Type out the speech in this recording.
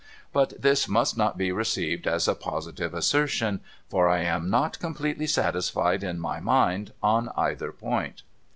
But this must not be received as a ])Ositive assertion, for I am not completely satisfied in my mind on either point.'